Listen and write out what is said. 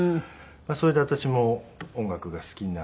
それで私も音楽が好きになって。